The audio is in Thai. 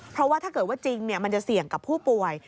เพราะว่าถ้าเกิดว่าจริงมันจะเสี่ยงกับผู้ป่วย